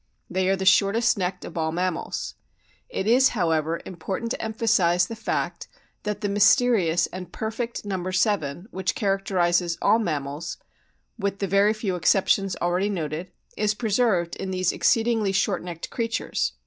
They are the shortest necked of all mammals. It is, however, important to em phasise the fact that the mysterious and "perfect" number seven, which characterises all mammals (with the very few exceptions already noted), is preserved in these exceedingly short necked creatures.